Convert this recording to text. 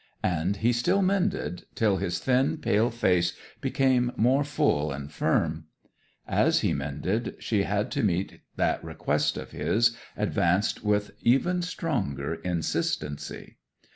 'And he still mended, till his thin, pale face became more full and firm. As he mended she had to meet that request of his, advanced with even stronger insistency.